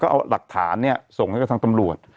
เอาหลักฐานส่งให้กับทางตำรวจ